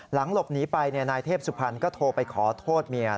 หลังหลบหนีไปนายเทพสุพรรณก็โทรไปขอโทษเมีย